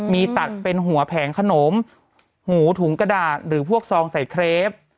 มีตัดเป็นหัวแผงขนมหูถุงกระดาษหรือพวกซองใส่เครป